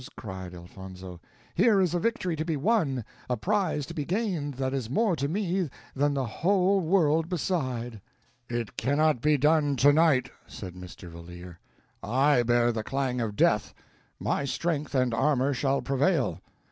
cried Elfonzo; "here is a victory to be won, a prize to be gained that is more to me that the whole world beside." "It cannot be done tonight," said Mr. Valeer. "I bear the clang of death; my strength and armor shall prevail.